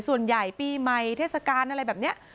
ส่วนใหญ่ปีใหม่เทศกาลอะไรแบบนี้